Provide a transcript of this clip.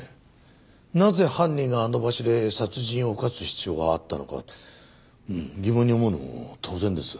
なぜ犯人があの場所で殺人を犯す必要があったのか疑問に思うのも当然です。